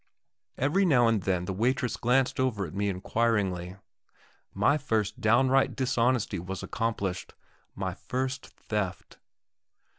Every now and then the waitress glanced over at me inquiringly. My first downright dishonesty was accomplished my first theft.